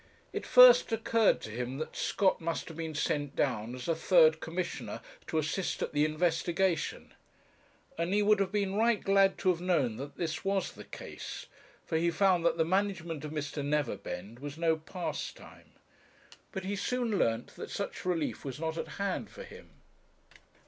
It first occurred to him that Scott must have been sent down as a third Commissioner to assist at the investigation; and he would have been right glad to have known that this was the case, for he found that the management of Mr. Neverbend was no pastime. But he soon learnt that such relief was not at hand for him.